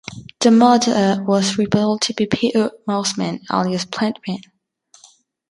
The murderer was revealed to be Peter Mossman, alias Plantman.